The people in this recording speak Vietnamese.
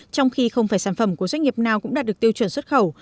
trong khi không phải sản phẩm của doanh nghiệp nào cũng đạt được tiêu chuẩn xuất khẩu